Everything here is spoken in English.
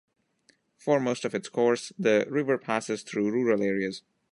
For most of its course, the river passes through rural areas.